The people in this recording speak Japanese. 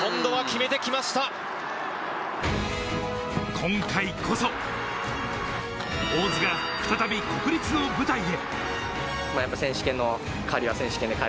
今回こそ大津が再び国立の舞台へ。